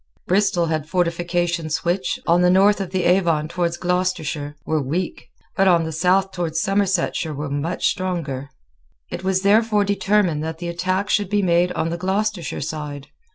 Bristol had fortifications which, on the north of the Avon towards Gloucestershire, were weak, but on the south towards Somersetshire were much stronger. It was therefore determined that the attack should be made on the Gloucestershire side.